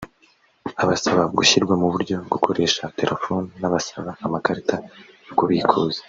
abasaba gushyirwa mu buryo gukoresha telefoni n’abasaba amakarita yo kubikuza